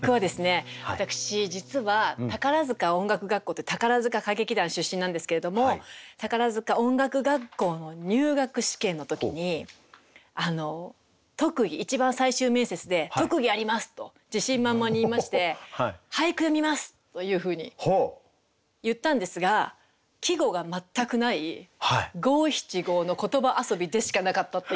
私実は宝塚音楽学校って宝塚歌劇団出身なんですけれども宝塚音楽学校の入学試験の時に特技一番最終面接で「特技あります！」と自信満々に言いまして「俳句詠みます！」というふうに言ったんですが季語が全くない五七五の言葉遊びでしかなかったっていう。